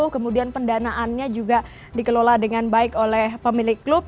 kemudian pendanaannya juga dikelola dengan baik oleh pemilik klub